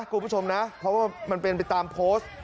คุณผู้ชมนะเพราะว่ามันเป็นไปตามโพสต์